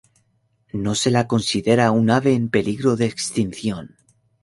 No se la considera un ave en peligro de extinción.